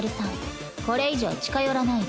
これ以上近寄らないで。